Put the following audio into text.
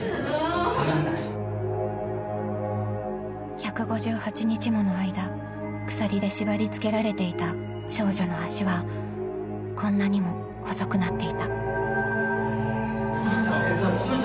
［１５８日もの間鎖で縛り付けられていた少女の脚はこんなにも細くなっていた］